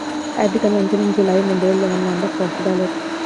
At the convention in July, Mondale won on the first ballot.